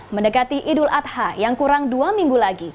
mendekati idul adha yang kurang dua minggu lagi